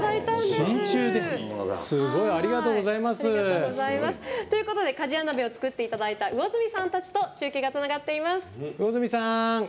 すごい！ありがとうございます。ということで鍛冶屋鍋を作っていただいた魚住さんたちと中継がつながっています。